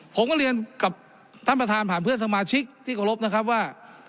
ผมก็เรียนกับท่านประธานผ่านเพื่อนสมาชิกที่เคารพนะครับว่า